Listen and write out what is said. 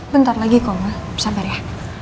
bentar lagi kok ma sabar ya